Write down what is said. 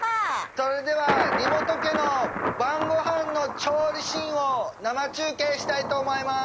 それでは梨本家の晩ごはんの調理シーンを生中継したいと思います。